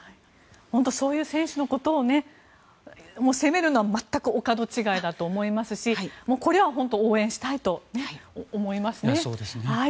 本当にそういう選手のことを責めるのは全くお門違いだと思いますしこれは本当に応援したいと思いますね。